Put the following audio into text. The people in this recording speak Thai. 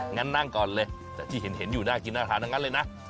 งั้นนั่งก่อนเลยแต่ที่เห็นอยู่น่ากินน่าทานทั้งนั้นเลยนะ